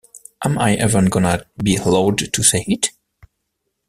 Am I even gonna be allowed to say it?